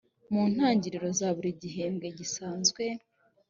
mu ntangiriro za buri gihembwe gisanzwe